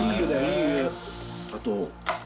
あと。